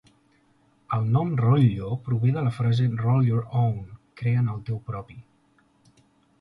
El nom Rollyo prové de la frase "roll your own" (crea'n el teu propi).